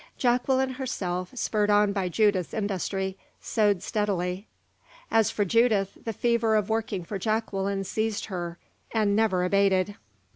Jacqueline herself, spurred on by Judith's industry, sewed steadily. As for Judith, the fever of working for Jacqueline seized her, and never abated.